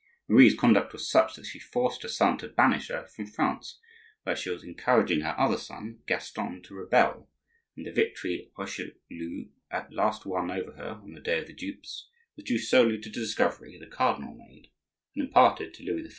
Marie's conduct was such that she forced her son to banish her from France, where she was encouraging her other son, Gaston, to rebel; and the victory Richelieu at last won over her (on the Day of the Dupes) was due solely to the discovery the cardinal made, and imparted to Louis XIII.